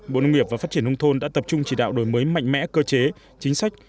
bộ nông nghiệp và phát triển nông thôn đã tập trung chỉ đạo đổi mới mạnh mẽ cơ chế chính sách